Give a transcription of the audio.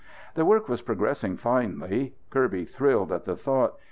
The work was progressing finely. Kirby thrilled at the thought.